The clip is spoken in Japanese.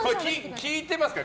聞いてますから。